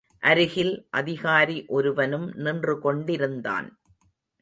அருகில் அதிகாரி ஒருவனும் நின்றுகொண்டிருந்தான்.